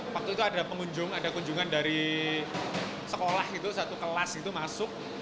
waktu itu ada pengunjung ada kunjungan dari sekolah itu satu kelas itu masuk